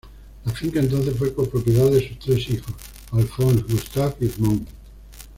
La finca entonces fue copropiedad de sus tres hijos: Alphonse, Gustave y Edmond.